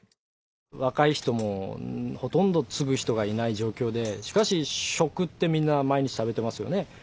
若い人もほとんど継ぐ人がいない状況でしかし「食」ってみんな毎日食べてますよね。